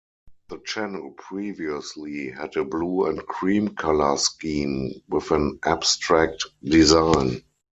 The channel previously had a blue and cream colour scheme, with an abstract design.